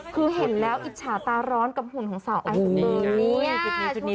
คือเห็นแล้วอิจฉาตาร้อนกับหุ่นของสาวไอซ์เสมอนี่